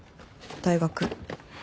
大学。